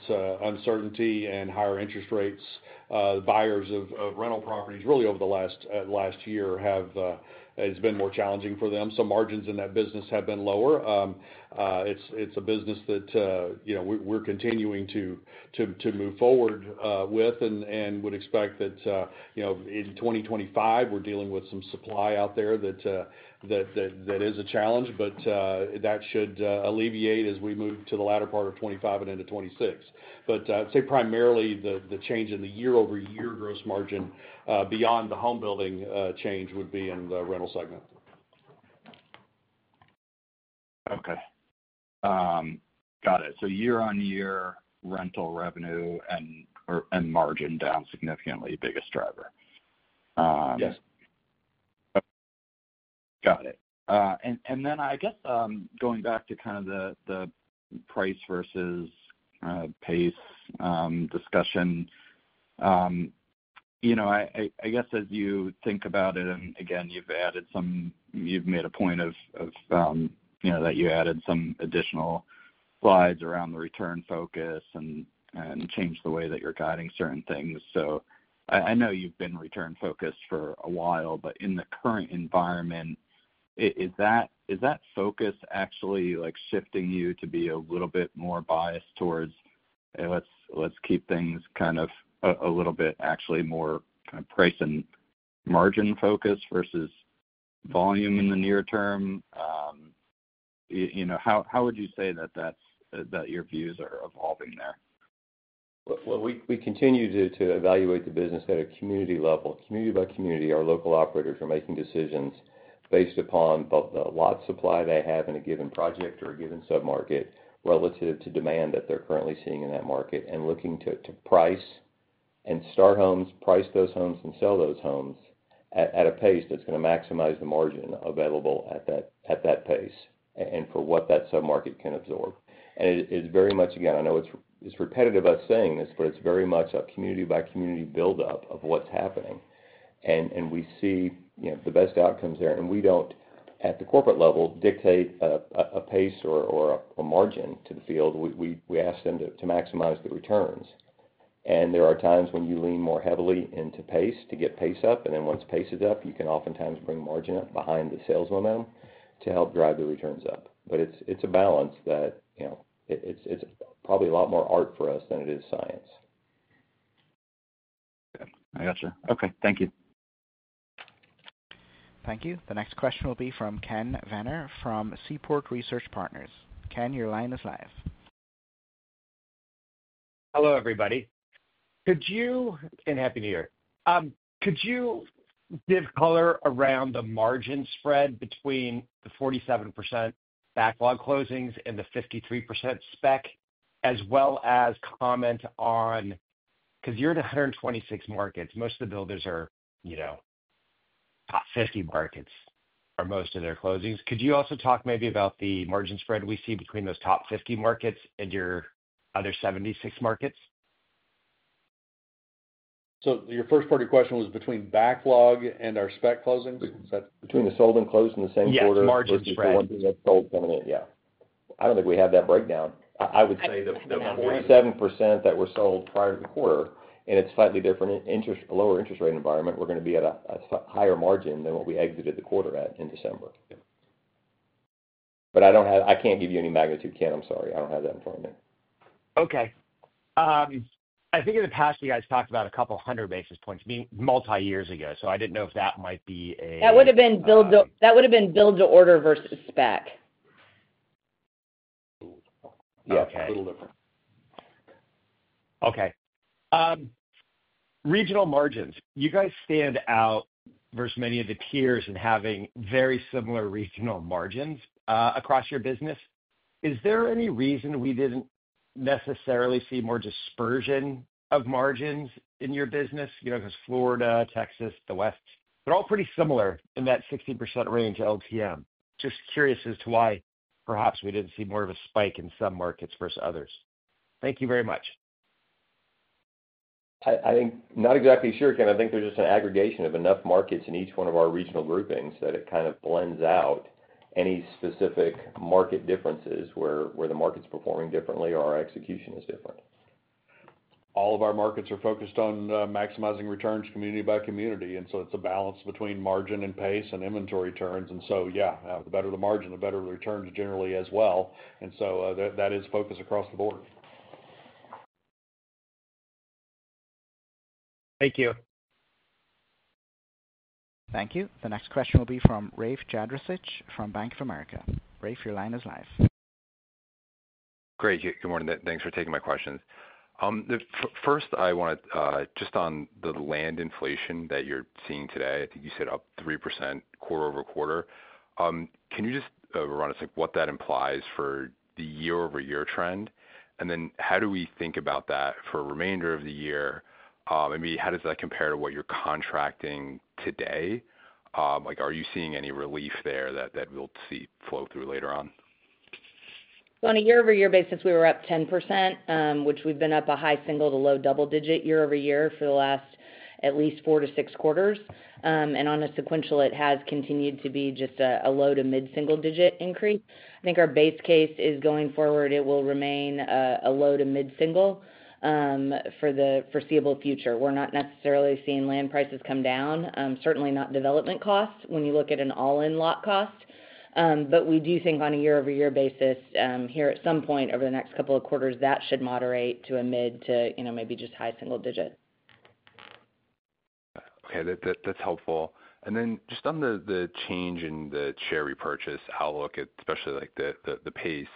uncertainty and higher interest rates. Buyers of rental properties really, over the last year, have. It's been more challenging for them. So margins in that business have been lower. It's a business that we're continuing to move forward with, and would expect that in 2025, we're dealing with some supply out there that is a challenge. But that should alleviate as we move to the latter part of 2025 and into 2026. But I'd say primarily the change in the year-over-year gross margin beyond the home building change would be in the rental segment. Okay. Got it. So year-on-year rental revenue and margin down significantly, biggest driver. Yes. Got it. And then I guess going back to kind of the price versus pace discussion, I guess as you think about it, and again, you've made a point of that you added some additional slides around the return focus and changed the way that you're guiding certain things. So I know you've been return-focused for a while, but in the current environment, is that focus actually shifting you to be a little bit more biased towards, "Hey, let's keep things kind of a little bit actually more kind of price and margin focus versus volume in the near term"? How would you say that your views are evolving there? We continue to evaluate the business at a community level. Community by community, our local operators are making decisions based upon both the lot supply they have in a given project or a given sub-market relative to demand that they're currently seeing in that market and looking to price and start homes, price those homes and sell those homes at a pace that's going to maximize the margin available at that pace and for what that sub-market can absorb. It's very much, again, I know it's repetitive us saying this, but it's very much a community-by-community build-up of what's happening. We see the best outcomes there. We don't, at the corporate level, dictate a pace or a margin to the field. We ask them to maximize the returns. There are times when you lean more heavily into pace to get pace up. And then once pace is up, you can oftentimes bring margin up behind the sales momentum to help drive the returns up. But it's a balance that it's probably a lot more art for us than it is science. I gotcha. Okay. Thank you. Thank you. The next question will be from Ken Zener from Seaport Research Partners. Ken, your line is live. Hello, everybody, and happy New Year. Could you give color around the margin spread between the 47% backlog closings and the 53% spec, as well as comment on because you're in 126 markets? Most of the builders are top 50 markets are most of their closings. Could you also talk maybe about the margin spread we see between those top 50 markets and your other 76 markets? So your first part of your question was between backlog and our spec closings? Is that between the sold and closed in the same quarter? Yes, margin spread. It's the one thing that sold coming in. Yeah. I don't think we have that breakdown. I would say the 47% that were sold prior to the quarter, in a slightly different lower interest rate environment, we're going to be at a higher margin than what we exited the quarter at in December. But I can't give you any magnitude, Ken. I'm sorry. I don't have that in front of me. Okay. I think in the past, you guys talked about a couple hundred basis points, multi-years ago. So I didn't know if that might be a. That would have been build-up. That would have been build-to-order versus spec. Yeah, a little different. Okay. Regional margins. You guys stand out versus many of the peers in having very similar regional margins across your business. Is there any reason we didn't necessarily see more dispersion of margins in your business? Because Florida, Texas, the West, they're all pretty similar in that 60% range LTM. Just curious as to why perhaps we didn't see more of a spike in some markets versus others. Thank you very much. I think not exactly sure, Ken. I think there's just an aggregation of enough markets in each one of our regional groupings that it kind of blends out any specific market differences where the market's performing differently or our execution is different. All of our markets are focused on maximizing returns community by community. And so it's a balance between margin and pace and inventory turns. And so, yeah, the better the margin, the better the returns generally as well. And so that is focused across the board. Thank you. Thank you. The next question will be from Rafe Jadrosich from Bank of America. Rafe, your line is live. Great. Good morning. Thanks for taking my questions. First, I want to just on the land inflation that you're seeing today. I think you said up 3% quarter over quarter. Can you just run us through what that implies for the year-over-year trend? And then how do we think about that for the remainder of the year? And how does that compare to what you're contracting today? Are you seeing any relief there that we'll see flow through later on? On a year-over-year basis, we were up 10%, which we've been up a high single to low double-digit year-over-year for the last at least four to six quarters. On a sequential, it has continued to be just a low to mid-single-digit increase. I think our base case is going forward, it will remain a low to mid-single for the foreseeable future. We're not necessarily seeing land prices come down, certainly not development costs when you look at an all-in lot cost. We do think on a year-over-year basis, here at some point over the next couple of quarters, that should moderate to a mid to maybe just high single-digit. Okay. That's helpful. And then just on the change in the share repurchase outlook, especially the pace,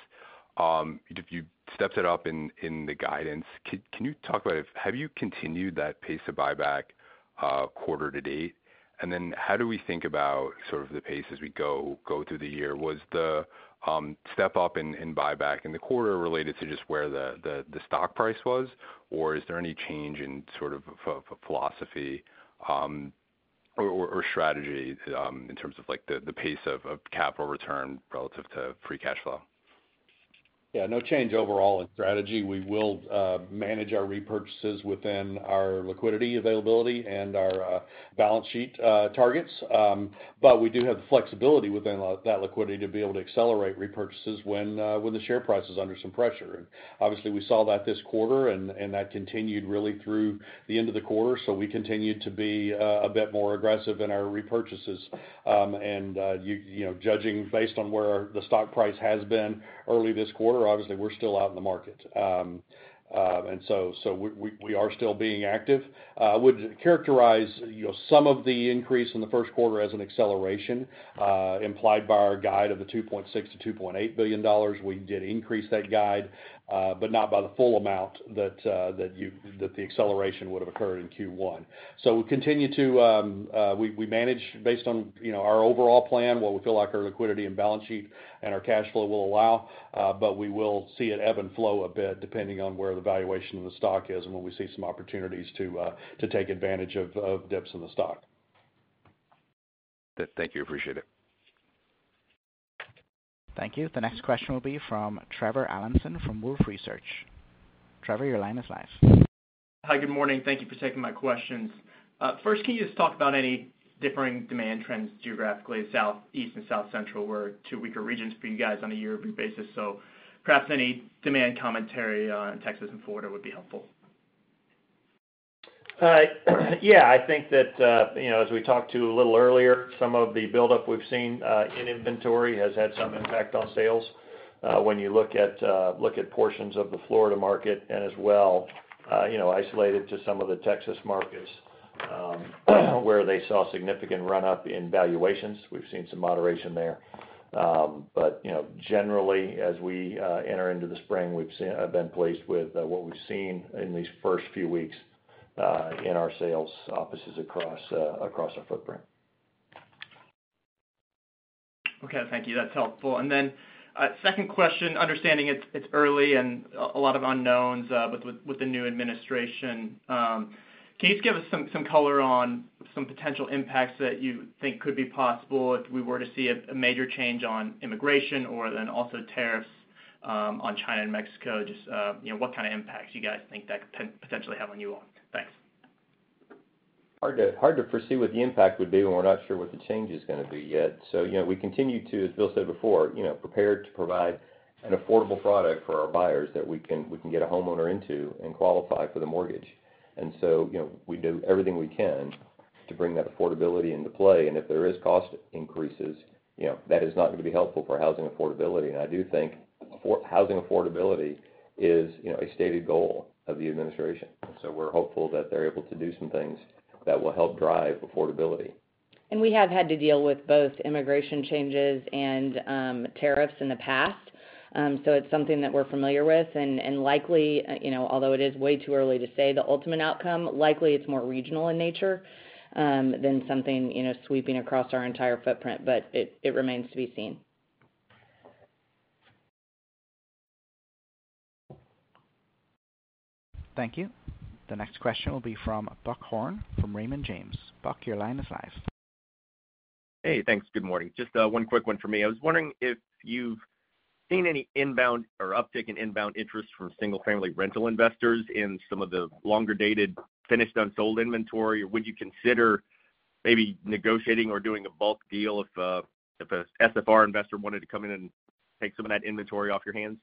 if you stepped it up in the guidance, can you talk about it? Have you continued that pace of buyback quarter to date? And then how do we think about sort of the pace as we go through the year? Was the step up in buyback in the quarter related to just where the stock price was? Or is there any change in sort of philosophy or strategy in terms of the pace of capital return relative to free cash flow? Yeah, no change overall in strategy. We will manage our repurchases within our liquidity availability and our balance sheet targets. But we do have the flexibility within that liquidity to be able to accelerate repurchases when the share price is under some pressure. And obviously, we saw that this quarter, and that continued really through the end of the quarter. So we continued to be a bit more aggressive in our repurchases. And judging based on where the stock price has been early this quarter, obviously, we're still out in the market. And so we are still being active. I would characterize some of the increase in the first quarter as an acceleration implied by our guide of the $2.6 billion-$2.8 billion. We did increase that guide, but not by the full amount that the acceleration would have occurred in Q1. So we continue to manage based on our overall plan, what we feel like our liquidity and balance sheet and our cash flow will allow. But we will see it ebb and flow a bit depending on where the valuation of the stock is and when we see some opportunities to take advantage of dips in the stock. Thank you. Appreciate it. Thank you. The next question will be from Truman Patterson from Wolfe Research. Truman, your line is live. Hi, good morning. Thank you for taking my questions. First, can you just talk about any differing demand trends geographically? Southeast, and South Central were two weaker regions for you guys on a year-over-year basis. So perhaps any demand commentary on Texas and Florida would be helpful. Yeah. I think that as we talked to a little earlier, some of the build-up we've seen in inventory has had some impact on sales when you look at portions of the Florida market and as well isolated to some of the Texas markets where they saw significant run-up in valuations. We've seen some moderation there, but generally, as we enter into the spring, we've been placed with what we've seen in these first few weeks in our sales offices across our footprint. Okay. Thank you. That's helpful. And then second question, understanding it's early and a lot of unknowns with the new administration, can you just give us some color on some potential impacts that you think could be possible if we were to see a major change on immigration or then also tariffs on China and Mexico? Just what kind of impacts do you guys think that could potentially have on you all? Thanks. Hard to foresee what the impact would be when we're not sure what the change is going to be yet. So we continue to, as Bill said before, prepare to provide an affordable product for our buyers that we can get a homeowner into and qualify for the mortgage. And so we do everything we can to bring that affordability into play. And if there is cost increases, that is not going to be helpful for housing affordability. And I do think housing affordability is a stated goal of the administration. And so we're hopeful that they're able to do some things that will help drive affordability. And we have had to deal with both immigration changes and tariffs in the past. So it's something that we're familiar with. And likely, although it is way too early to say the ultimate outcome, likely it's more regional in nature than something sweeping across our entire footprint. But it remains to be seen. Thank you. The next question will be from Buck Horne from Raymond James. Buck, your line is live. Hey, thanks. Good morning. Just one quick one for me. I was wondering if you've seen any uptake in inbound interest from single-family rental investors in some of the longer-dated finished-unsold inventory. Would you consider maybe negotiating or doing a bulk deal if an SFR investor wanted to come in and take some of that inventory off your hands?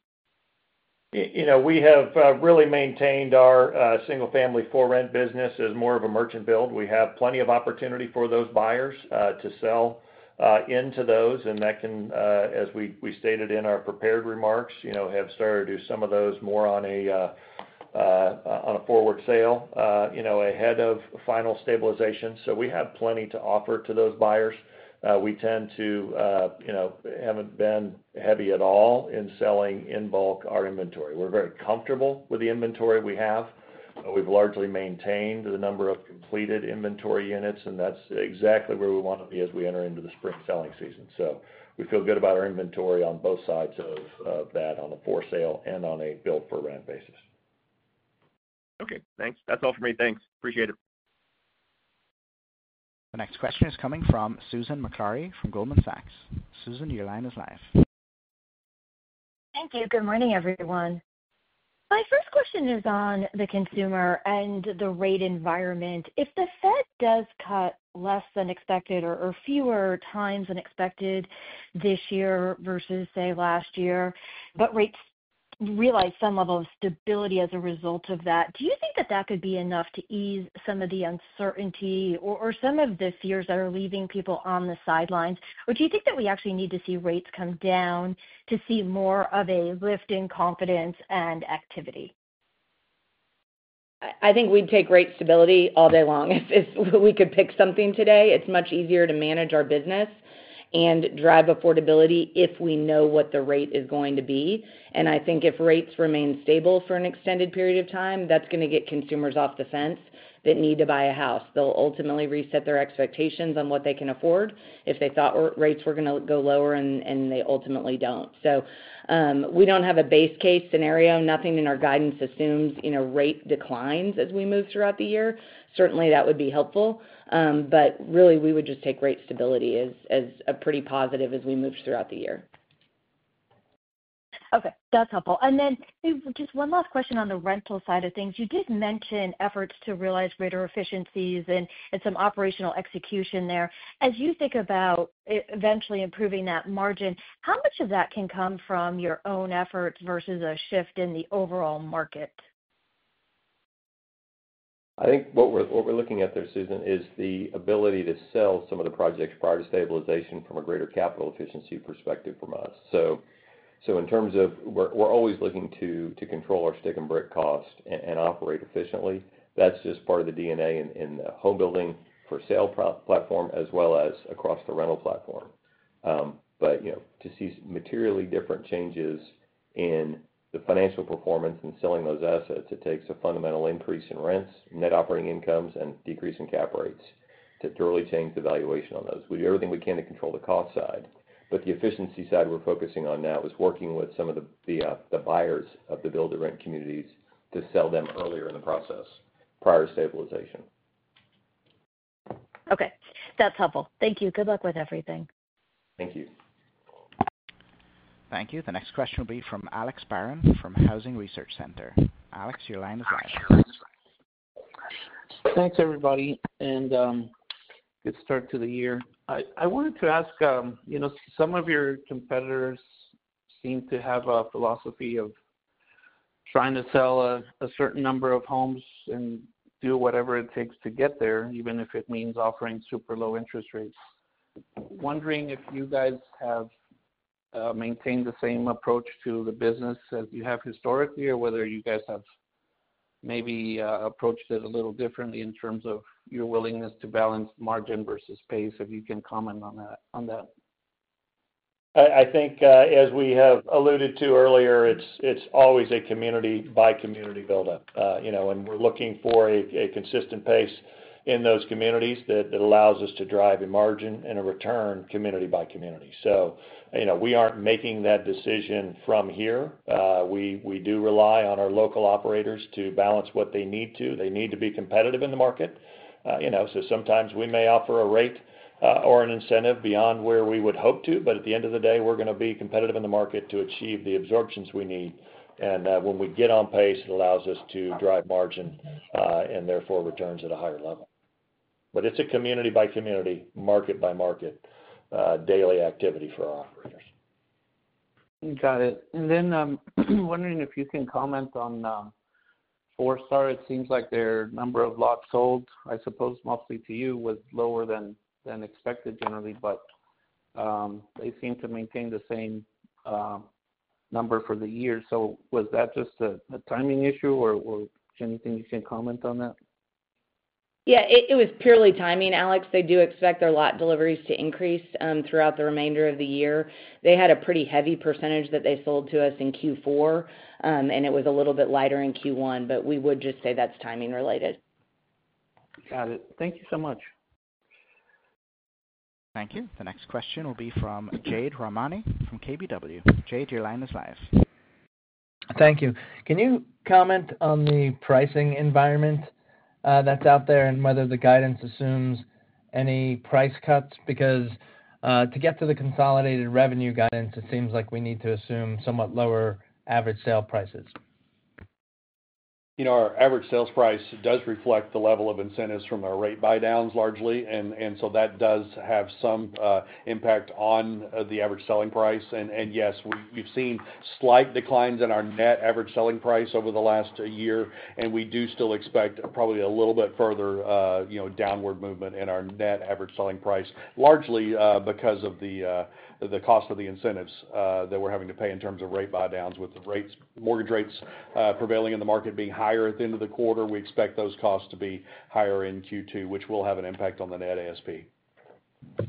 We have really maintained our single-family for rent business as more of a merchant build. We have plenty of opportunity for those buyers to sell into those, and that can, as we stated in our prepared remarks, have started to do some of those more on a forward sale ahead of final stabilization, so we have plenty to offer to those buyers. We tend to haven't been heavy at all in selling in bulk our inventory. We're very comfortable with the inventory we have. We've largely maintained the number of completed inventory units, and that's exactly where we want to be as we enter into the spring selling season, so we feel good about our inventory on both sides of that, on a for sale and on a build-for-rent basis. Okay. Thanks. That's all for me. Thanks. Appreciate it. The next question is coming from Susan Maklari from Goldman Sachs. Susan, your line is live. Thank you. Good morning, everyone. My first question is on the consumer and the rate environment. If the Fed does cut less than expected or fewer times than expected this year versus, say, last year, but rates realize some level of stability as a result of that, do you think that that could be enough to ease some of the uncertainty or some of the fears that are leaving people on the sidelines? Or do you think that we actually need to see rates come down to see more of a lift in confidence and activity? I think we'd take rate stability all day long. If we could pick something today, it's much easier to manage our business and drive affordability if we know what the rate is going to be. And I think if rates remain stable for an extended period of time, that's going to get consumers off the fence that need to buy a house. They'll ultimately reset their expectations on what they can afford if they thought rates were going to go lower and they ultimately don't. So we don't have a base case scenario. Nothing in our guidance assumes rate declines as we move throughout the year. Certainly, that would be helpful. But really, we would just take rate stability as pretty positive as we move throughout the year. Okay. That's helpful, and then just one last question on the rental side of things. You did mention efforts to realize greater efficiencies and some operational execution there. As you think about eventually improving that margin, how much of that can come from your own efforts versus a shift in the overall market? I think what we're looking at there, Susan, is the ability to sell some of the projects prior to stabilization from a greater capital efficiency perspective from us. So in terms of we're always looking to control our stick-and-brick cost and operate efficiently. That's just part of the DNA in the home building for sale platform as well as across the rental platform. But to see materially different changes in the financial performance and selling those assets, it takes a fundamental increase in rents, net operating incomes, and decrease in cap rates to thoroughly change the valuation on those. We do everything we can to control the cost side. But the efficiency side we're focusing on now is working with some of the buyers of the build-to-rent communities to sell them earlier in the process prior to stabilization. Okay. That's helpful. Thank you. Good luck with everything. Thank you. Thank you. The next question will be from Alex Barron from Housing Research Center. Alex, your line is live. Thanks, everybody, and good start to the year. I wanted to ask, some of your competitors seem to have a philosophy of trying to sell a certain number of homes and do whatever it takes to get there, even if it means offering super low interest rates. Wondering if you guys have maintained the same approach to the business as you have historically or whether you guys have maybe approached it a little differently in terms of your willingness to balance margin versus pace, if you can comment on that? I think as we have alluded to earlier, it's always a community-by-community build-up, and we're looking for a consistent pace in those communities that allows us to drive a margin and a return community-by-community, so we aren't making that decision from here. We do rely on our local operators to balance what they need to. They need to be competitive in the market, so sometimes we may offer a rate or an incentive beyond where we would hope to, but at the end of the day, we're going to be competitive in the market to achieve the absorptions we need, and when we get on pace, it allows us to drive margin and therefore returns at a higher level, but it's a community-by-community, market-by-market daily activity for our operators. Got it. And then I'm wondering if you can comment on Forestar. It seems like their number of lots sold, I suppose mostly to you, was lower than expected generally, but they seem to maintain the same number for the year. So was that just a timing issue or anything you can comment on that? Yeah. It was purely timing, Alex. They do expect their lot deliveries to increase throughout the remainder of the year. They had a pretty heavy percentage that they sold to us in Q4, and it was a little bit lighter in Q1, but we would just say that's timing related. Got it. Thank you so much. Thank you. The next question will be from Jade Rahmani from KBW. Jade, your line is live. Thank you. Can you comment on the pricing environment that's out there and whether the guidance assumes any price cuts? Because to get to the consolidated revenue guidance, it seems like we need to assume somewhat lower average sale prices. Our average sales price does reflect the level of incentives from our rate buydowns largely, and so that does have some impact on the average selling price, and yes, we've seen slight declines in our net average selling price over the last year, and we do still expect probably a little bit further downward movement in our net average selling price, largely because of the cost of the incentives that we're having to pay in terms of rate buydowns with mortgage rates prevailing in the market being higher at the end of the quarter. We expect those costs to be higher in Q2, which will have an impact on the net ASP.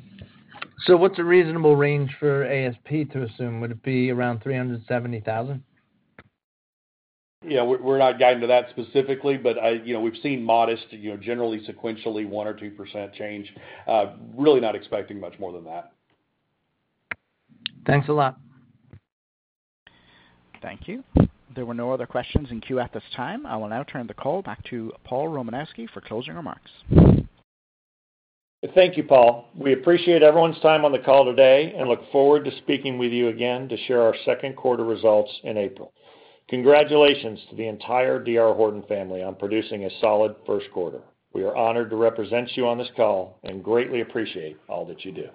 So what's a reasonable range for ASP to assume? Would it be around 370,000? Yeah. We're not guiding to that specifically, but we've seen modest, generally sequentially 1 or 2% change. Really not expecting much more than that. Thanks a lot. Thank you. There were no other questions in queue at this time. I will now turn the call back to Paul Romanowski for closing remarks. Thank you, Paul. We appreciate everyone's time on the call today and look forward to speaking with you again to share our second quarter results in April. Congratulations to the entire D.R. Horton family on producing a solid first quarter. We are honored to represent you on this call and greatly appreciate all that you do.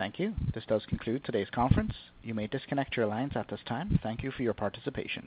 Thank you. This does conclude today's conference. You may disconnect your lines at this time. Thank you for your participation.